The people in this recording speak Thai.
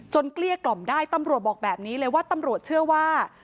เกลี้ยกล่อมได้ตำรวจบอกแบบนี้เลยว่าตำรวจเชื่อว่า